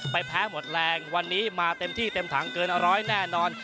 แพ้หมดแรงวันนี้มาเต็มที่เต็มถังเกินร้อยแน่นอน